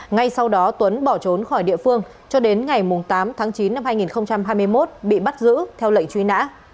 ngay sau đó tuấn bỏ trốn khỏi địa phương cho đến ngày tám tháng chín năm hai nghìn hai mươi một bị bắt giữ theo lệnh truy nã